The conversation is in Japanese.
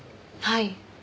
はい。